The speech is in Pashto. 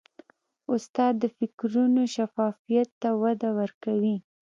استاد د فکرونو شفافیت ته وده ورکوي.